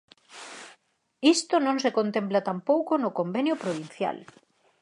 Isto non se contempla tampouco no convenio provincial.